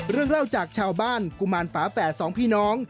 เรื่องเล่าจากชาวบ้านกุมารฝาแฝดสองพี่น้อง